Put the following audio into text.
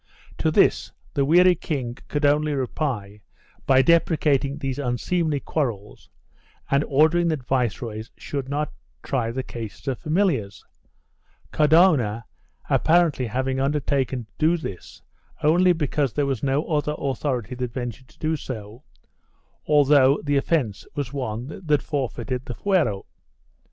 To this the weary king could only reply by deprecat ing these unseemly quarrels and ordering that viceroys should not try the cases of familiars — Cardona apparently having under taken to do this only because there was no other authority that ventured to do so, although the offence was one which forfeited the fuero.